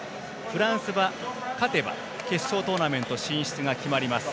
フランスは勝てば決勝トーナメント進出が決まります。